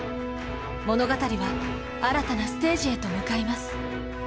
物語は新たなステージへと向かいます。